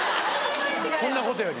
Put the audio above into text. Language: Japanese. そんなことより。